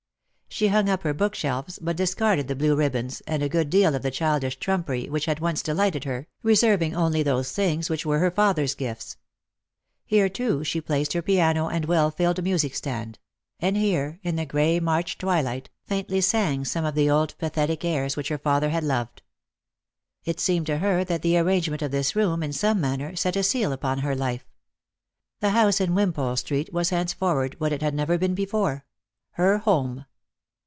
She hung up her book shelves, but discarded the blue ribbons, and a good deal of the childish trumpery which had once delighted her, reserving only those things which were her father's gifts. Here, too, she placed her piano and well filled music stand ; and here, in the gray March twilight, faintly sang some of the old pathetic airs which her father had loved. It seemed to her that the arrange ment of this room, in some manner, set a seal upon her life. The house in Wimpole street was henceforward what it had never been before — her home.